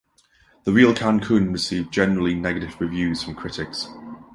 "The Real Cancun" received generally negative reviews from critics.